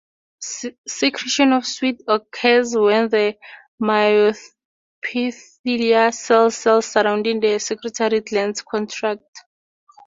Secretion of sweat occurs when the myoepithelial cell cells surrounding the secretory glands contract.